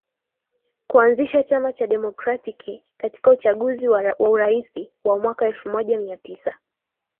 kuanzisha chama cha Demokratiki Katika uchaguzi wa Urais wa mwaka elfu moja mia tisa